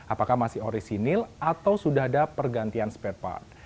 apakah masih orisinil atau sudah ada pergantian spare part